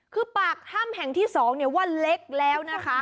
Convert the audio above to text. คือปากถ้ำแห่งที่๒ว่าเล็กแล้วนะคะ